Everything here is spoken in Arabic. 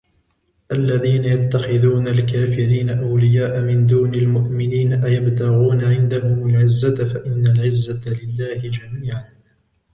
الذين يتخذون الكافرين أولياء من دون المؤمنين أيبتغون عندهم العزة فإن العزة لله جميعا